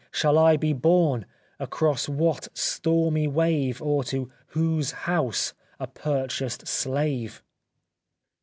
Shall I be borne, across what stormy wave Or to whose house a purchased slave